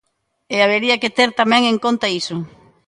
E habería que ter tamén en conta iso.